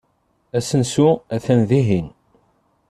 Asensu atan dihin.